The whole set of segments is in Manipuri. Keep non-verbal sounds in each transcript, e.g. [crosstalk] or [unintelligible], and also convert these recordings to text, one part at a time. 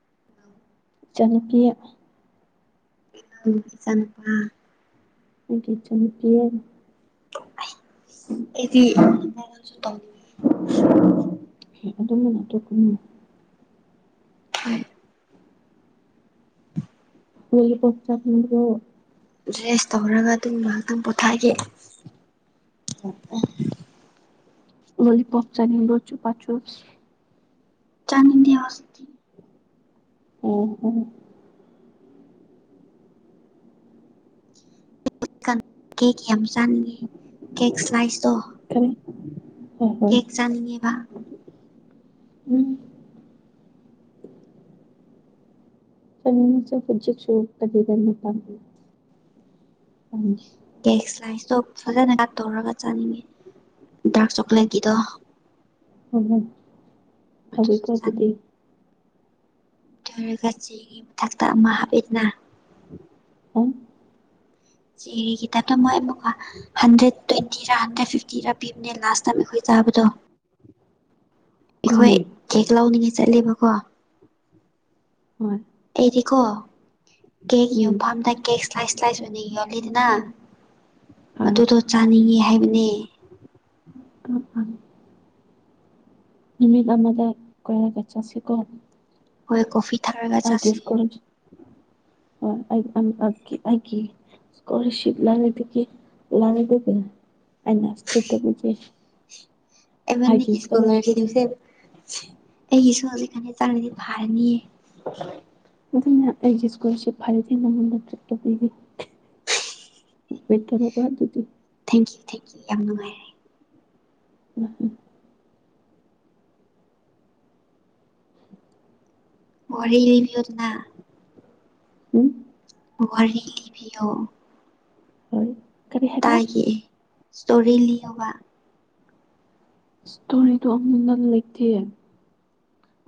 [inaudible] ꯏꯆꯥꯅꯨꯄꯤ ꯏꯆꯥꯅꯨꯄꯥ ꯑꯩꯒꯤ ꯏꯆꯥꯅꯨꯄꯤ ꯑꯩꯗꯤ [unintelligible] [inaudible] ꯍꯥꯏ ꯃꯣꯏꯒꯤ ꯄꯣꯛ ꯆꯥꯐꯝꯗꯨꯔꯣ ꯔꯦꯁ ꯇꯧꯔꯒ ꯑꯗꯨꯝ ꯉꯥꯏꯍꯥꯛꯇꯪ ꯄꯣꯊꯥꯒꯦ ꯂꯣꯂꯤ ꯄꯣꯞ ꯆꯅꯤꯕꯔꯣ ꯆꯨꯄꯥ ꯆꯨꯄꯁ ꯆꯅꯤꯡꯗꯦ ꯍꯧꯖꯤꯛꯇꯤ ꯑꯣ ꯍꯣ ꯀꯦꯛ ꯌꯥꯝ ꯆꯥꯅꯤꯡꯉꯦ ꯀꯦꯛ ꯁ꯭ꯂꯥꯏꯁꯇꯣ ꯀꯔꯤ ꯍꯣꯏ ꯍꯣꯏ ꯀꯦꯛ ꯆꯥꯅꯤꯡꯉꯦꯕ ꯎꯝ ꯆꯥꯅꯤꯡꯉꯦ ꯆꯣꯢꯄꯣꯝ ꯆꯤꯞꯁꯨ ꯑꯗꯨꯒ ꯅꯤꯞꯄꯥꯝꯕꯦ ꯇꯦꯁ ꯁꯂꯥꯢꯁꯇꯣ ꯐꯖꯅ ꯉꯥꯛ ꯇꯧꯔꯒ ꯆꯥꯅꯤꯡꯉꯤ ꯗꯥꯔꯛ ꯆꯣꯀ꯭ꯂꯦꯠꯀꯤꯗꯣ ꯍꯣꯡꯑꯣ ꯑꯗꯨꯁꯨ ꯍꯩꯒꯗꯔ ꯗꯨꯗꯤ ꯇꯣꯏꯔꯒ ꯆꯦꯒꯤ ꯃꯊꯛꯇ ꯑꯃ ꯍꯥꯞꯄꯦꯗꯅ ꯑ ꯆꯦꯒꯤ ꯇꯥꯏꯞꯇ ꯃꯣꯏ ꯑꯃꯨꯛꯀ ꯍꯟꯗ꯭ꯔꯦꯠ ꯇ꯭ꯋꯦꯟꯇꯤꯔ ꯍꯟꯗ꯭ꯔꯦꯠ ꯐꯤꯐꯇꯤꯔꯥ ꯄꯤꯕꯅꯦ ꯂꯥꯁ ꯑꯩꯈꯣꯏ ꯇꯥꯕꯗꯣ ꯑꯩꯈꯣꯏ ꯀꯔꯤ ꯀꯦꯛ ꯂꯧꯎꯅꯤꯡꯉꯦ ꯆꯠꯂꯦꯕꯀꯣ ꯍꯣꯏ ꯑꯩꯗꯤꯀꯣ ꯀꯦꯛ ꯎꯝ ꯌꯣꯟꯐꯝꯗ ꯀꯦꯛ ꯏꯁ꯭ꯂꯥꯏꯁ ꯁ꯭ꯂꯥꯏꯁ ꯑꯣꯏꯅ ꯌꯣꯜꯂꯤꯗꯅ ꯃꯗꯨꯗꯣ ꯆꯥꯅꯤꯡꯏꯤ ꯍꯥꯏꯕꯅꯦ [unintelligible] ꯅꯨꯃꯤꯠ ꯑꯃꯗ ꯀꯣꯏꯔꯒ ꯆꯥꯁꯤꯀ ꯍꯣꯏ ꯀꯣꯐꯤ ꯊꯛꯔꯒ ꯑꯩꯒꯤ ꯆꯠꯁꯤ ꯁꯀꯣꯂꯔꯁꯤꯞ ꯍꯣꯢ ꯑꯩ ꯑꯟꯄꯥꯛꯒꯤ ꯑꯨꯒꯤ ꯁꯀꯣꯂꯔꯁꯤꯞ ꯂꯥꯛꯔꯤꯛꯇꯒꯤ ꯂꯥꯢꯔꯤꯗꯒꯤ ꯑꯩꯅ ꯁꯇꯔꯤꯞ ꯇꯧꯕꯤꯒꯦ ꯑꯦꯃꯅꯤꯒꯤ ꯁꯀꯣꯂꯔꯁꯤꯞꯁꯦ ꯑꯩꯒꯤꯁꯨ ꯍꯧꯖꯤꯛ ꯈꯅ ꯆꯥꯔꯗꯤ ꯐꯥꯔꯅꯤꯌꯦ ꯑꯗꯨꯅ ꯑꯩꯖꯦ ꯁꯀꯣꯂꯔꯁꯤꯞ ꯐꯔꯗꯤ ꯅꯪꯉꯣꯟꯗ ꯇꯔꯤꯠ ꯇꯧꯕꯤꯒꯦ ꯋꯤ ꯀꯦꯅꯣꯠ ꯗꯋꯥꯟꯗꯨꯗꯤ ꯊꯦꯡꯀꯤ ꯌꯥꯝ ꯅꯨꯡꯉꯥꯏꯔꯦ ꯎꯝꯝ ꯋꯥꯔꯤ ꯂꯤꯑꯣꯗꯅ ꯎꯝ ꯋꯥꯔꯤ ꯂꯤꯕꯤꯌꯣ ꯍꯣꯏ ꯀꯔꯤ ꯍꯥꯏꯕ ꯇꯥꯏꯈꯤꯑꯦ ꯁꯇꯣꯔꯤ ꯂꯤꯌꯣꯕꯥ ꯏꯁꯇꯣꯔꯤꯗꯣ ꯑꯃꯨꯛ ꯅꯛꯅ ꯂꯩꯇꯦꯌꯦ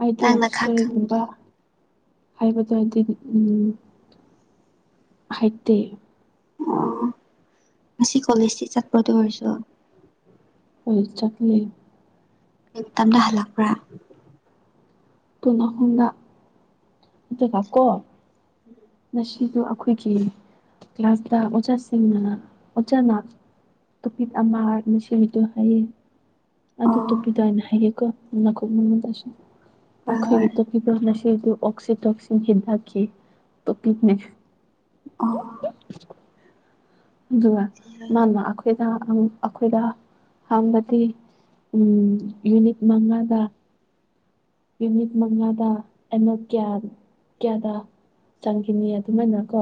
ꯑꯩꯗꯤ ꯅꯪꯅ ꯈꯥꯛ ꯏꯁꯇꯣꯔꯤꯒꯨꯝꯕ ꯈꯪꯕꯗꯣ ꯍꯥꯏꯕꯗꯣ ꯍꯥꯏꯗꯤ ꯎꯝ ꯍꯩꯇꯦ ꯑꯣ ꯉꯁꯤ ꯀꯣꯂꯦꯁꯇꯤ ꯆꯠꯄ꯭ꯔ ꯑꯗꯨ ꯑꯣꯏꯔꯁꯨ ꯎꯝ ꯆꯠꯂꯦ ꯀꯩ ꯃꯇꯝꯗ ꯍꯜꯂꯛꯄ꯭ꯔꯥ ꯄꯨꯡ ꯑꯍꯨꯝꯗ ꯑꯗꯨꯒꯀꯣ ꯑꯁꯤꯗ ꯑꯩꯈꯣꯏꯒꯤ ꯀ꯭ꯂꯥꯁꯇ ꯑꯣꯖꯥꯁꯤꯡꯅ ꯑꯣꯖꯥꯅ ꯇꯣꯄꯤꯛ ꯑꯃꯥ ꯃꯤꯁꯦꯝꯃꯤꯗꯣ ꯍꯥꯏꯌꯦ ꯑꯗꯨ ꯑꯣ ꯇꯣꯞꯄꯤꯛꯗꯣ ꯍꯥꯏꯅ ꯍꯥꯏꯒꯦꯀꯣ ꯅꯀꯣꯡ ꯃꯅꯨꯡꯗꯁꯨ ꯍꯣꯏ ꯑꯩꯈꯣꯏꯒꯤ ꯍꯣꯏ ꯇꯣꯄꯤꯛꯇꯣ [unintelligible] ꯑꯣ ꯑꯗꯨꯒ ꯃꯥꯅ ꯑꯩꯈꯣꯏꯗ ꯑꯪ ꯑꯩꯈꯣꯏꯗ ꯍꯪꯕꯗꯤ ꯎꯝ ꯌꯨꯅꯤꯠ ꯃꯉꯥꯗ ꯌꯨꯅꯤꯠ ꯃꯉꯥꯗ ꯑꯩꯅ ꯀꯌꯥ ꯀꯌꯥꯗ ꯆꯪꯈꯤꯅꯤ ꯑꯗꯨꯃꯥꯏꯅ ꯀꯣ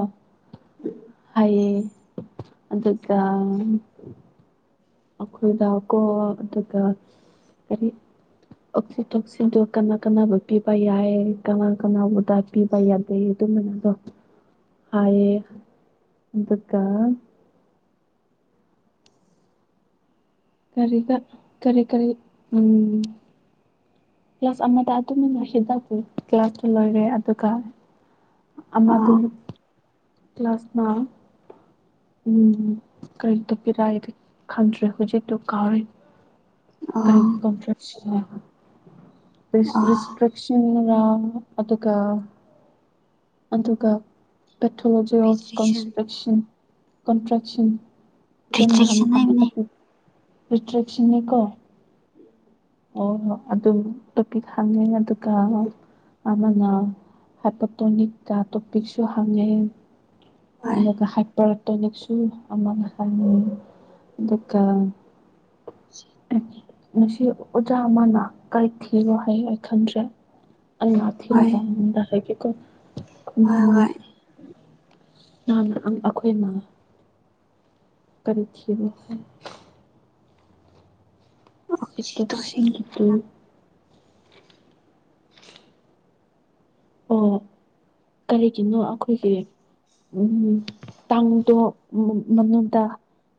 ꯍꯥꯏꯌꯦ ꯑꯗꯨꯒ ꯑꯩꯈꯣꯏꯗꯀꯣ ꯑꯗꯨꯒ ꯀꯔꯤ ꯑꯣꯁꯤ ꯇꯣꯛꯁꯤꯗꯣ ꯀꯅꯥ ꯀꯅꯥꯕꯨ ꯄꯤꯕ ꯌꯥꯏ ꯀꯅꯥ ꯀꯅꯥꯕꯨꯗ ꯄꯤꯕ ꯌꯥꯗꯦ ꯑꯃꯅꯒꯣ ꯍꯥꯏꯌꯦ ꯑꯗꯨꯒ ꯀꯔꯤꯒ ꯀꯔꯤ ꯀꯔꯤ ꯎꯝ ꯀ꯭ꯂꯥꯁ ꯑꯃꯗ ꯇꯨꯃꯤꯟꯅ ꯍꯤꯞꯄꯒ ꯀ꯭ꯂꯥꯁꯇꯨ ꯂꯣꯏꯔꯦ ꯑꯗꯨꯒ ꯑꯃꯗꯨ ꯑꯣ ꯀ꯭ꯂꯥꯁꯅ ꯎꯝ ꯀꯔꯤ ꯇꯣꯄꯤꯛꯔ ꯍꯥꯏꯑꯩ ꯈꯪꯗ꯭ꯔꯦ ꯍꯧꯖꯤꯛꯇꯨ ꯀꯥꯎꯔꯦ ꯀꯔꯤ ꯑꯣ ꯔꯤ ꯑꯣ ꯑꯣ ꯔꯤꯁꯇ꯭ꯔꯤꯛꯁꯟꯅꯔ ꯑꯗꯨꯒ ꯑꯗꯨꯒ pathology of restriction ꯀꯟꯁꯄ꯭ꯔꯦꯛꯁꯟ contraction rejection ꯍꯥꯏꯕꯅꯦ [unintelligible] ꯑꯣ ꯑꯗꯨꯝ ꯇꯣꯄꯤꯛ ꯍꯪꯉꯦ ꯑꯗꯨꯒ ꯑꯃꯅ ꯍꯥꯏꯄꯥꯇꯣꯅꯤꯛꯇ ꯇꯣꯄꯤꯛꯁꯨ ꯍꯪꯉꯦ ꯍꯣꯏ ꯃꯤꯅꯒ ꯍꯥꯏꯠ ꯄꯦꯔꯥꯇꯣꯅꯤꯛꯁꯨ ꯑꯃꯛ ꯍꯥꯏꯅꯤꯡꯉꯤ ꯑꯗꯨꯒ ꯑꯦ ꯉꯁꯤ ꯑꯣꯖꯥ ꯑꯃꯅ ꯀꯔꯤ ꯊꯤꯔꯣ ꯍꯥꯏꯑꯦ ꯑꯩ ꯈꯪꯗ꯭ꯔꯦ ꯑꯩ ꯃꯥ ꯊꯤꯔ ꯍꯣꯏ ꯀꯥꯟꯗ ꯍꯥꯏꯒꯦꯀꯣ ꯍꯣꯏ ꯎꯝ ꯍꯣꯏ ꯅꯥꯅ ꯑꯪ ꯑꯪꯩꯈꯣꯏꯅ ꯀꯔꯤ ꯊꯤꯕꯅꯣ ꯍꯪ ꯁꯤꯇꯣꯞꯁꯤꯟꯗꯨꯗꯤ ꯑꯣꯛꯁꯤꯇꯣꯁꯤꯟꯒꯤꯅꯦꯔ ꯑꯣ ꯀꯔꯤꯒꯤꯅꯣ ꯑꯩꯈꯣꯏꯒꯤ ꯎꯝ ꯇꯥꯡꯗꯣ ꯃꯅꯨꯡꯗ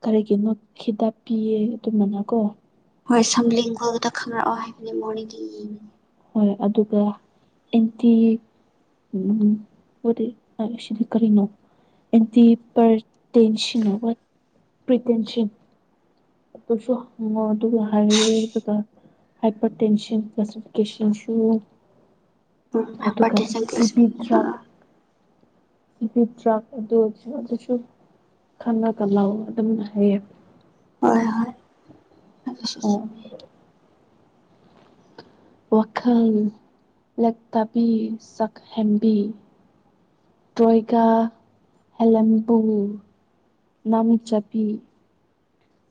ꯀꯔꯤꯒꯤꯅꯣ ꯈꯤꯇ ꯄꯤꯌꯦ ꯑꯗꯨꯃꯅ ꯀꯣ ꯍꯣꯏ ꯁꯝꯂꯤꯡꯍꯜꯗ ꯈꯪꯪꯂꯛꯑꯣ ꯍꯥꯏꯕꯅꯦ ꯃꯣꯔꯅꯤꯡꯗꯒꯤ ꯌꯦꯡꯉꯦ ꯍꯣꯏ ꯑꯗꯨꯒ ꯑꯦꯟꯇꯤ ꯎꯝ ꯑꯣꯗꯤ ꯑꯁꯤꯗꯤ ꯀꯔꯤꯅꯣ ꯑꯦꯟꯇꯤꯄ꯭ꯔ ꯇꯦꯟꯁꯤꯡꯅꯑꯣꯏ ꯄ꯭ꯔꯤꯇꯦꯟꯁꯟ ꯇꯣꯄꯤꯛꯁꯨ ꯍꯪꯉꯣ ꯑꯗꯨꯒ ꯍꯥꯏꯔꯒꯦ ꯑꯗꯨꯒ ꯍꯥꯏꯄꯔ ꯇꯦꯟꯁꯟ ꯀ꯭ꯂꯥꯁꯤꯐꯤꯀꯦꯁꯟꯁꯨ ꯎꯝ ꯑꯗꯨꯒ ꯍꯥꯏꯄꯔꯇꯦꯟꯁꯟ ꯀ꯭ꯂꯥꯁ ꯇꯤꯕꯤꯗ꯭ꯔꯛ ꯑꯥ ꯇꯤꯕꯤꯗ꯭ꯔꯛ ꯑꯗꯨ ꯑꯗꯨꯁꯨ ꯈꯪꯉꯒ ꯂꯥꯛꯑꯣ ꯑꯗꯨꯝ ꯍꯥꯏꯌꯦ ꯍꯣꯏ ꯍꯣꯏ ꯑꯣ ꯋꯥꯈꯜ ꯂꯛꯇꯕꯤ ꯆꯥꯛꯍꯦꯝꯕꯤ ꯇꯣꯏꯒꯥ ꯍꯦꯂꯦꯝꯕꯨ ꯅꯃꯤ ꯆꯄꯤ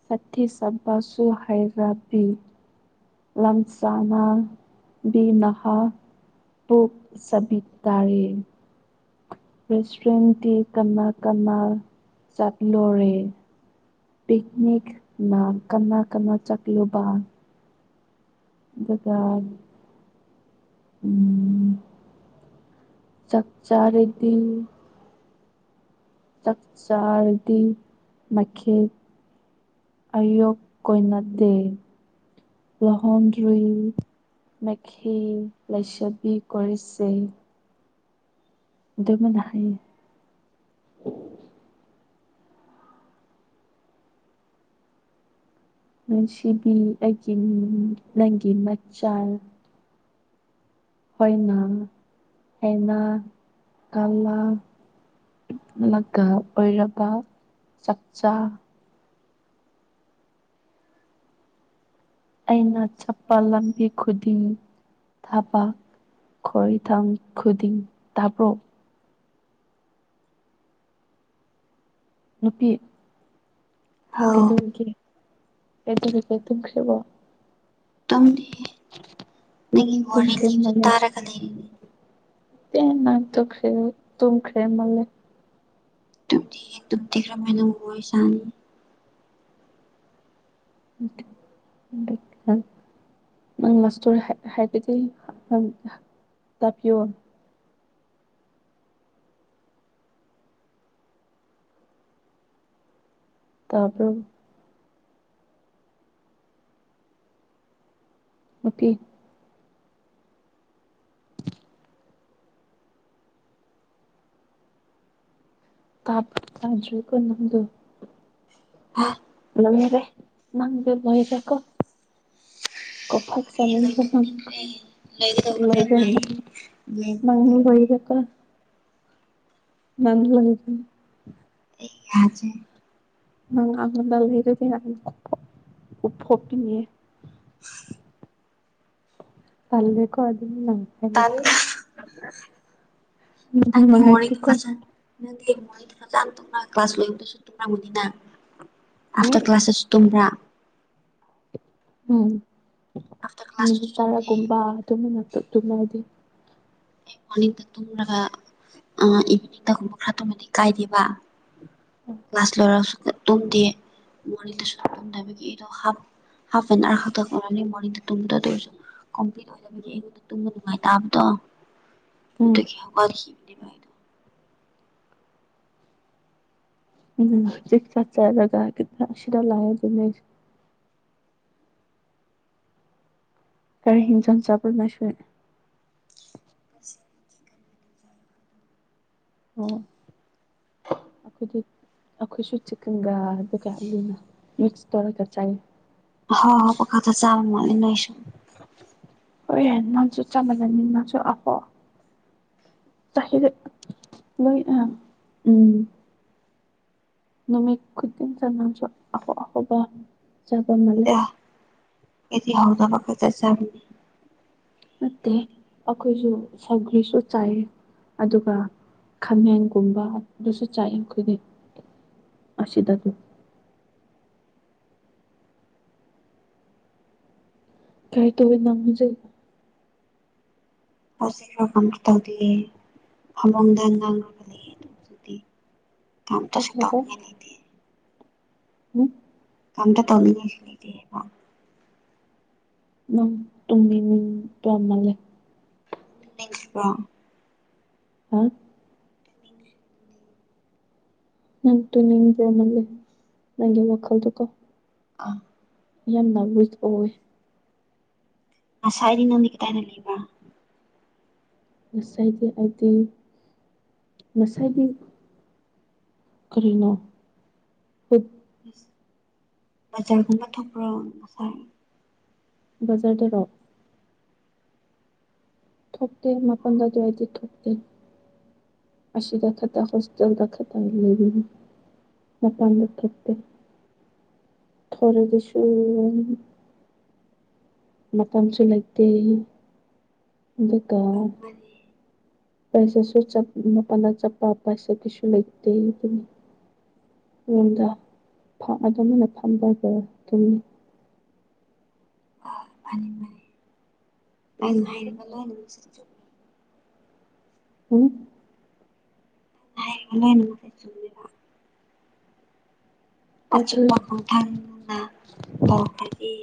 ꯁꯠꯇꯤ ꯁꯕꯁꯨ ꯍꯩꯔꯥꯕꯤ ꯂꯝꯁꯅꯥ ꯕꯤ ꯅꯍꯥ ꯇꯣꯛꯣꯛ ꯁꯕꯤꯠ ꯇꯥꯔꯦ ꯔꯦꯁꯇꯨꯔꯦꯟꯇꯤ ꯀꯅꯥ ꯀꯅꯥ ꯆꯠꯂꯣꯔꯦ ꯄꯤꯛꯅꯤꯛꯅ ꯀꯅꯥ ꯀꯅꯥ ꯆꯥꯛꯂꯣꯕꯥ ꯑꯗꯨꯒꯀ ꯎ ꯆꯥꯛ ꯆꯥꯔꯦꯗꯤ ꯆꯥꯛꯆꯥꯔꯗꯤ ꯃꯈꯦꯜ ꯑꯌꯣꯛ ꯀꯣꯏꯅꯥ ꯗꯦ ꯂꯍꯟꯗ꯭ꯔꯤ ꯃꯦꯈꯦ ꯂꯥꯏꯁꯕꯤ ꯀꯣꯏꯁꯦ ꯑꯗꯨꯃꯅ ꯍꯥꯏꯌꯦ ꯅꯨꯡꯁꯤꯕꯤ ꯑꯩꯒꯤ ꯅꯪꯒꯤ ꯃꯆꯜ ꯍꯅꯥ ꯍꯅꯥ ꯀꯂ ꯑꯗꯨꯒ ꯑꯣꯏꯔꯕ ꯆꯛꯆꯥ ꯑꯩꯅ ꯆꯠꯄ ꯂꯝꯕꯤ ꯈꯨꯗꯤꯡ ꯊ ꯄꯥꯛ ꯈꯔꯤꯊꯝ ꯈꯨꯗꯤꯡ ꯇꯥꯕ꯭ꯔꯣ ꯅꯨꯄꯤ ꯍꯥꯎ ꯀꯩꯗꯧꯔꯤꯒꯦ ꯇꯨꯝꯈ꯭ꯔꯕꯣ ꯇꯨꯝꯗꯦ ꯅꯪ ꯅꯪꯒꯤ ꯋꯥꯔꯤ ꯇꯨꯝꯈ꯭ꯔꯦ ꯂꯤꯕꯗꯨ ꯇꯥꯔꯒ ꯂꯩꯔꯤꯅꯦ ꯇ ꯅ ꯇ ꯈ꯭ꯔꯦ ꯇꯈ꯭ꯔꯦ ꯃꯥ ꯂꯩꯦ ꯑꯗꯨ ꯗꯔ ꯃꯥꯏꯅ ꯍꯣꯏ ꯆꯅꯤ [unintelligible] [unintelligible] ꯇꯕ꯭ꯔꯣ ꯅꯨꯄꯤ ꯇꯥ ꯆꯥꯖꯣꯏ ꯀ ꯅꯗ [unintelligible] ꯍꯥ [unintelligible] ꯃꯅꯤ ꯑꯣꯏ ꯆꯀ꯭ꯔ ꯑꯩ ꯂꯣꯏ ꯇꯨꯝꯅꯤꯡꯈ꯭ꯔꯦ ꯂꯣꯏꯒꯗꯧꯕꯗ ꯉꯥꯏ ꯉꯥꯏꯕꯈꯛ ꯇꯧꯔꯦ [unintelligible] [unintelligible] [unintelligible] [unintelligible] ꯇꯜꯂꯦꯀꯣ ꯑꯗꯨ ꯅꯪꯄꯗꯦ ꯇꯟ [unintelligible] ꯅꯪꯗꯤ ꯀ꯭ꯂꯥꯁ ꯂꯣꯏꯗ ꯁꯨꯨꯝꯕ꯭ꯔꯥ ꯃꯨꯅꯤꯅ ꯎꯝ ꯑꯐꯇꯔ ꯀ꯭ꯂꯥꯁ ꯁꯨꯇꯨꯝꯕ꯭ꯔꯥ [unintelligible] ꯎꯝ ꯑꯥꯐꯇꯔ ꯀ꯭ꯂꯥꯁꯁꯨ ꯃꯤꯅꯤꯠ ꯇꯨꯝꯗꯦ ꯇꯔꯥꯒꯨꯝꯕ ꯑꯗꯨꯃꯅꯛꯇꯅ ꯍꯥꯏꯗꯤ ꯑꯩ ꯃꯣꯔꯅꯤꯡꯗ ꯇꯨꯝꯂꯒ ꯏꯚꯤꯅꯤꯡꯗꯒꯨꯝꯕ ꯈꯔ ꯇꯨꯝꯃꯗꯤ ꯀꯥꯏꯗꯦꯕ ꯀ꯭ꯂꯥꯁ ꯂꯣꯏꯔꯒꯁꯨ ꯇꯨꯝꯗꯦ ꯃꯣꯔꯅꯤꯡꯗꯁꯨ ꯇꯨꯝꯗꯕꯒꯤ ꯑꯩꯗꯣ ꯍꯥꯞ ꯍꯥꯐ ꯑꯦꯟ ꯑꯋꯥꯔꯛꯇꯅꯤ ꯃꯣꯔꯗ ꯇꯨꯝꯗꯣꯏꯔꯁꯨ ꯀꯝꯄ꯭ꯂꯤꯠ ꯑꯣꯏꯗꯕꯒꯤ ꯑꯩꯉꯣꯟꯗ ꯇꯨꯝꯕ ꯅꯨꯡꯉꯥꯏ ꯇꯕꯗꯣ ꯎꯝ ꯑꯗꯒꯤ ꯍꯧꯒꯠꯈꯤꯕꯅꯦꯕ ꯑꯩꯗꯣ ꯎꯝ ꯆ ꯆꯒ ꯑꯁꯔ ꯂ꯫ ꯀꯔ ꯍꯤꯟꯖꯟ ꯆꯕꯔꯣ ꯅꯁꯤ ꯑꯣ ꯑꯩꯈꯣꯏꯗꯤ ꯑꯈꯣꯏꯁꯨ ꯆꯤꯀꯟꯒ ꯑꯗꯨꯒ ꯑꯂꯨꯒ ꯃꯤꯁ ꯊꯧꯔꯒ ꯆꯥꯏ ꯑꯍꯥꯎ ꯑꯍꯎꯕ ꯈꯛꯇ ꯆꯥꯕ ꯃꯥꯂꯦ ꯅꯣ ꯁꯨ ꯍꯣꯏ ꯌꯥ ꯅꯥꯟꯁꯨ ꯆꯞ ꯃꯟꯅꯤ ꯅꯪꯁꯨ ꯑꯐꯣ [unintelligible] ꯅꯨꯃꯤꯠ ꯈꯨꯗꯤꯡ ꯁꯥꯅꯥꯕ ꯆꯠꯄꯒꯤ ꯑꯐ ꯑꯐꯕ ꯆꯥꯕ ꯃꯥꯂꯦ ꯑꯩꯗꯤ ꯍꯥꯎꯇꯕ ꯈꯛꯇ ꯆꯥꯕꯅꯤ ꯅꯠꯇꯦ ꯑꯩꯈꯣꯏꯁꯨ ꯁꯧꯒ꯭ꯔꯤꯁꯨ ꯆꯥꯏ ꯑꯗꯨꯒ ꯈꯥꯃꯦꯟꯒꯨꯝꯕ ꯑꯗꯨꯁꯨ ꯆꯥꯑ ꯑꯩꯈꯣꯏꯗꯤ ꯑꯁꯤꯗ ꯑꯗꯨꯝ ꯀꯔꯤ ꯇꯧꯔꯤ ꯅꯪ ꯍꯧꯖꯤꯛ ꯍꯧꯖꯤꯛꯂꯣ ꯀꯔꯤꯝ ꯇꯧꯗꯦ ꯐꯃꯨꯡꯗ ꯉꯥꯡꯂꯤꯕꯅꯦ ꯀꯝ ꯁꯇ ꯂꯩꯗꯤ [unintelligible] ꯎꯝ ꯑꯝꯇ ꯇꯧꯅꯤꯡꯉꯥꯏꯁꯨ ꯂꯩꯇꯦꯕꯣ ꯅꯪ ꯇꯨꯝꯅꯤꯕ ꯃꯥꯜꯂꯦ [unintelligible] ꯍꯥ ꯅꯪ ꯇꯨꯝꯅꯤꯡꯕ ꯃꯥꯜꯂꯦ ꯅꯪꯒꯤ ꯃꯈꯣꯜꯗꯣ ꯀꯣ ꯑꯥ ꯌꯥꯝꯅ ꯔꯨꯡ ꯑꯣꯏꯌꯦ ꯉꯁꯥꯏꯗꯤ ꯅꯪ ꯗꯤ ꯀꯗꯥꯏꯗ ꯂꯩꯕ꯭ꯔꯥ ꯉꯁꯥꯏꯒꯤ ꯍꯥꯏꯗꯤ ꯉꯁꯥꯏꯒꯤ ꯀꯔꯤꯅꯣ ꯄꯨꯛ ꯕꯖꯥꯔꯒꯨꯝꯕ ꯊꯣꯛꯄ꯭ꯔꯣ ꯅꯈꯣꯏ ꯕꯖꯥꯔꯗꯔꯣ ꯊꯣꯛꯇꯦ ꯃꯥꯄꯜ ꯑꯗꯨꯋꯥꯏꯗꯤ ꯊꯣꯛꯇꯦ ꯑꯁꯤꯗ ꯈꯛꯇ ꯍꯣꯁꯇꯦꯜꯗ ꯈꯛꯇ ꯂꯩꯕꯅꯦ ꯃꯄꯥꯟꯗ ꯊꯣꯛꯇꯦ ꯊꯣꯔꯒꯁꯨ ꯃꯇꯝꯁꯨ ꯂꯩꯇꯦ ꯑꯗꯨꯒ ꯃꯥꯅꯤ ꯄꯩꯁꯥꯁꯨ ꯃꯄꯥꯜꯗ ꯆꯠꯄ ꯄꯩꯁꯥ ꯀꯩꯁꯨ ꯂꯩꯇꯦ ꯑꯗꯨꯅꯤ ꯔꯨꯝꯗ ꯑꯗꯨꯃꯥꯏꯅ ꯐꯝꯕꯗꯣ ꯗꯨꯨꯝꯃꯤ ꯑꯅꯤꯅꯤ [unintelligible] ꯍꯨꯡ ꯍꯥꯏꯕꯅꯦ ꯅꯣꯡꯗꯤ ꯆꯨꯒꯤꯕ꯭ꯔꯥ ꯇꯥꯗ꯭ꯔꯤ ꯑꯆꯨꯝꯄ ꯈꯣꯡꯊꯥꯡꯅ ꯇꯧꯔꯗꯤ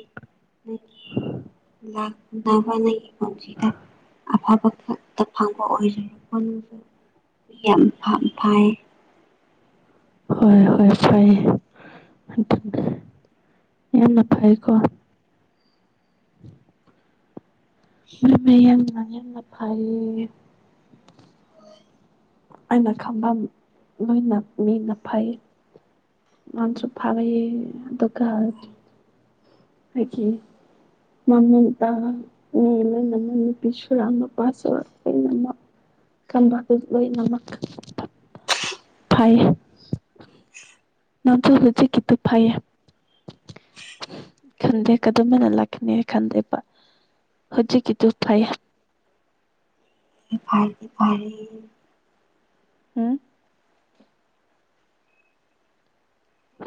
ꯂꯥꯛꯀꯗꯕ ꯅꯪꯒꯤ ꯄꯨꯟꯁꯤꯗ ꯑꯐꯕ ꯈꯛꯇ ꯐꯪꯕ ꯑꯣꯏꯖꯅꯨ ꯌꯥꯝꯐꯝ ꯐꯩꯌꯦ ꯍꯣꯏ ꯍꯣꯏ ꯐꯩꯌꯦ ꯑꯗꯨꯅ ꯌꯥꯝꯅ ꯐꯩꯀꯣ ꯌꯥꯝꯅ ꯌꯥꯝꯅ ꯐꯩꯌꯦ ꯑꯩꯅ ꯈꯪꯕ ꯂꯣꯏꯅ ꯃꯤꯅ ꯐꯩ ꯃꯥꯁꯨ ꯐꯌꯦ ꯑꯗꯨꯒ ꯑꯩꯒꯤ ꯃꯃ ꯇ ꯃꯤ ꯂꯅ ꯅꯨꯄꯤ ꯁꯨꯔꯛ ꯅꯨꯄꯥ ꯁꯨ ꯂꯣꯏꯅꯃꯛ ꯀꯟꯕ ꯑꯗꯨ ꯂꯣꯏꯅꯃ ꯐꯩꯌꯦ ꯅꯠꯇꯦ ꯍꯨꯖꯤꯛ ꯀꯤꯗꯣ ꯐꯩꯌꯦ [unintelligible] ꯈꯟꯗꯦ ꯀꯗꯧꯉꯩꯗ ꯂꯥꯛꯈꯤꯅꯤ ꯈꯟꯗꯦꯕ ꯍꯧꯖꯤꯛꯀꯤꯗꯨ ꯐꯩ ꯐꯔꯦ ꯐꯔꯦ ꯍꯨꯡ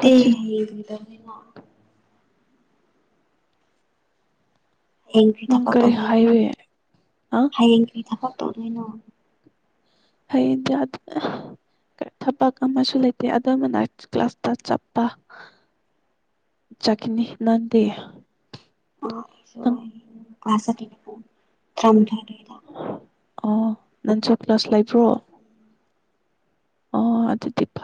ꯇꯦ [unintelligible] ꯍꯌꯦꯡ ꯀꯔꯤ ꯅꯪ ꯊꯕꯛ ꯇꯧꯗꯣꯏꯅꯣ ꯍꯥꯏꯋꯦ ꯑ ꯍꯌꯦꯡ ꯀꯔꯤ ꯊꯕꯛ ꯇꯧꯗꯣꯏꯅꯣ ꯍꯌꯦꯡꯗꯤ [unintelligible] ꯊꯕꯛ ꯑꯃꯁꯨ ꯂꯩꯇꯦ ꯑꯗꯝꯕꯅ ꯀ꯭ꯂꯥꯁꯇ ꯆꯠꯄ ꯆꯠꯀꯤꯅꯤ ꯅꯪꯗꯤ ꯅꯪ ꯀ꯭ꯂꯥꯁꯤ [unintelligible] ꯑꯣ ꯅꯟꯁꯨ ꯀ꯭ꯂꯥꯁ ꯂꯩꯕ꯭ꯔꯣ ꯑꯣ ꯑꯗꯨꯗꯤ ꯐꯦ